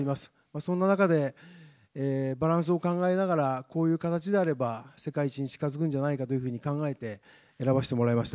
そんな中で、バランスを考えながら、こういう形であれば、世界一に近づくんじゃないかというふうに考えて選ばせてもらいました。